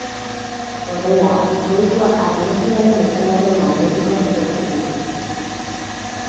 Horrela, goiko atmosferaren ezaugarri magnetikoak ikertzen dituzte.